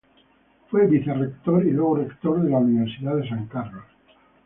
Fue Vice Rector y luego Rector de la Universidad de San Carlos.